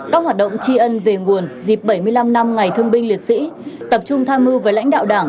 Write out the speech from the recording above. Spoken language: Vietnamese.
các hoạt động tri ân về nguồn dịp bảy mươi năm năm ngày thương binh liệt sĩ tập trung tham mưu với lãnh đạo đảng